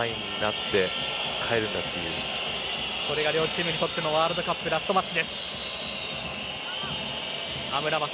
これが両チームにとってもワールドカップのラストマッチ。